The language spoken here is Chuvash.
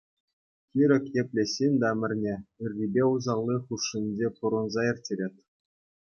Кирек епле ҫын та ӗмӗрне ыррипе усалли хушшинче пурӑнса ирттерет.